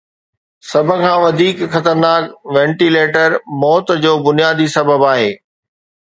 سڀ کان وڌيڪ خطرناڪ وينٽيليٽر موت جو بنيادي سبب آهي.